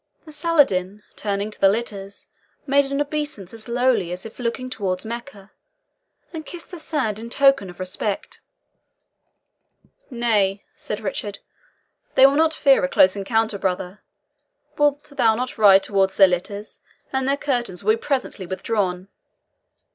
The Soldan, turning to the litters, made an obeisance as lowly as if looking towards Mecca, and kissed the sand in token of respect. "Nay," said Richard, "they will not fear a closer encounter, brother; wilt thou not ride towards their litters, and the curtains will be presently withdrawn?"